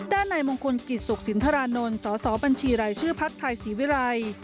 ด้านในมงคลกิจสุขสินทรานนท์สสบัญชีรายชื่อพักไทยศรีวิรัย